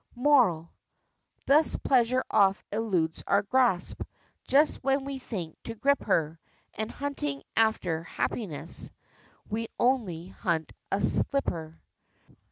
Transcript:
MORAL. Thus pleasure oft eludes our grasp, Just when we think to grip her; And hunting after happiness, We only hunt a slipper.